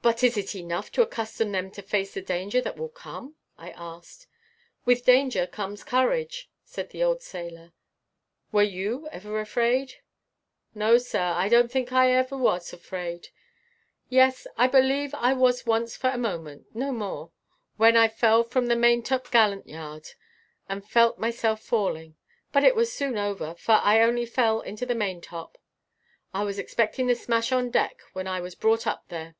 "But is it enough to accustom them to face the danger that will come?" I asked. "With danger comes courage," said the old sailor. "Were you ever afraid?" "No, sir. I don't think I ever was afraid. Yes, I believe I was once for one moment, no more, when I fell from the maintop gallant yard, and felt myself falling. But it was soon over, for I only fell into the maintop. I was expecting the smash on deck when I was brought up there.